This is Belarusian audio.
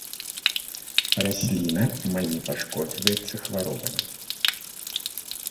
Расліна амаль не пашкоджваецца хваробамі.